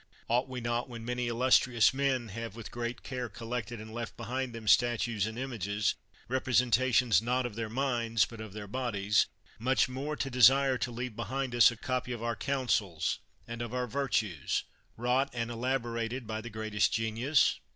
Ought we not, when many most illustrious men have with great care 146 CICERO collected and left behind them statues and images, representations not of their minds but of their bodies, much more to desire to leave behind us a copy of our counsels and of our virtues, wrought and elaborated by the greatest genius?